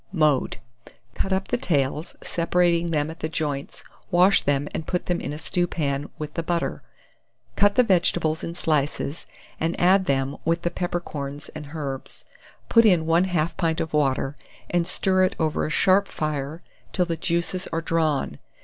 Mode. Cut up the tails, separating them at the joints; wash them, and put them in a stewpan, with the butter. Cut the vegetables in slices, and add them, with the peppercorns and herbs. Put in 1/2 pint of water, and stir it over a sharp fire till the juices are drawn.